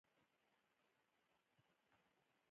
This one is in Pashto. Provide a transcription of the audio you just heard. د قزلباشانو سیمې په کابل کې دي